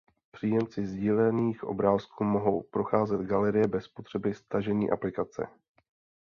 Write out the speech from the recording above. Příjemci sdílených obrázků mohou procházet galerie bez potřeby stažení aplikace.